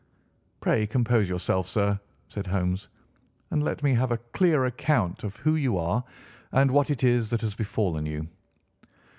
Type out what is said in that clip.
"Pray compose yourself, sir," said Holmes, "and let me have a clear account of who you are and what it is that has befallen you."